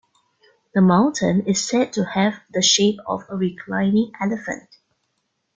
The mountain is said to have the shape of a reclining elephant.